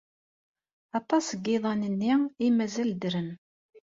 Aṭas seg yiḍan-nni ay mazal ddren.